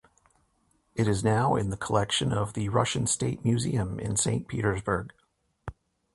It is now in the collection of the Russian State Museum in St Petersburg.